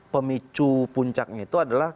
pemicu puncaknya itu adalah